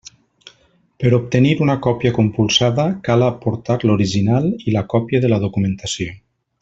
Per obtenir una còpia compulsada, cal aportar l'original i la còpia de la documentació.